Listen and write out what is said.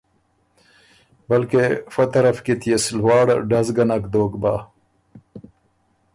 بلکې فۀ طرف کی تيې سو لواړه ډز ګه نک دوک بَۀ